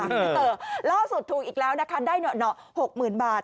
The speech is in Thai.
เออล่าสุดถูกอีกแล้วนะคะได้๖๐๐๐บาท